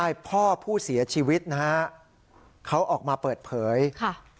พ่อผู้เสียชีวิตนะฮะเขาออกมาเปิดเผยค่ะ